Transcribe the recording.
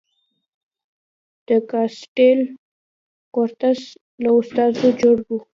د کاسټیل کورتس له استازو جوړ و.